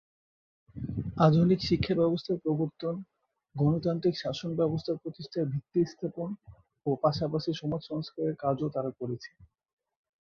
আধুনিক শিক্ষাব্যবস্থার প্রবর্তন, গণতান্ত্রিক শাসনব্যবস্থা প্রতিষ্ঠার ভিত্তি স্থাপন ও পাশাপাশি সমাজ সংস্কারের কাজও তারা করেছে।